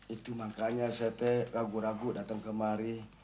itu makanya saya ragu ragu datang kemari